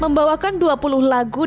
membawakan dua puluh lagu dengan karya